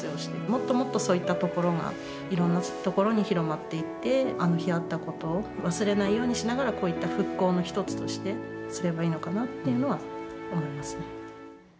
もっともっとそういったところがいろんなところに広まっていって、あの日あったこと、忘れないようにしながら、こういった復興の一つとしてすればいいのかなっていうのは思いますね。